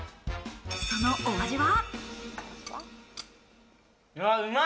そのお味は。